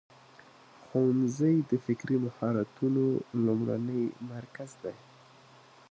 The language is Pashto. ښوونځی د فکري مهارتونو لومړنی مرکز دی.